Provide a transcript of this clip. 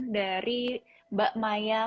dari mbak maya